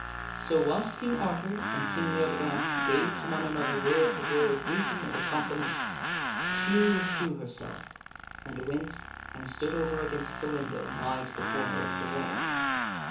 So, whilst King Arthur and King Leodegrance gave to one another words of royal greeting and of compliment, she withdrew herself and went and stood over against the window nigh to the corner of the wall.